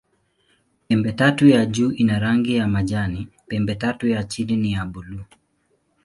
Pembetatu ya juu ina rangi ya majani, pembetatu ya chini ni ya buluu.